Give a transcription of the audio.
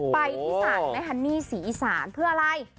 ไปที่ศาลแม่ฮันนี่ศรีอีสานเพื่ออะไร